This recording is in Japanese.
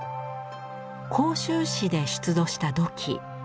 甲州市で出土した土器。